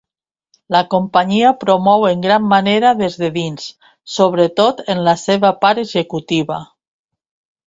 La companyia promou en gran manera des de dins, sobretot en la seva part executiva.